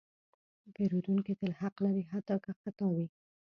پیرودونکی تل حق لري، حتی که خطا وي.